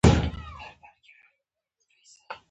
آیا په پښتو کې د دې موضوع په اړه معلومات شته؟